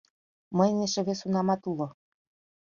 Мыйын эше вес унамат уло.